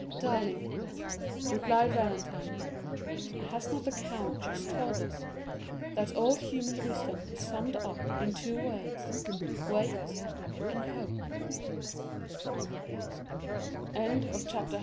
"Darling," replied Valentine, "has not the count just told us that all human wisdom is summed up in two words: "'Wait and hope (Fac et spera)!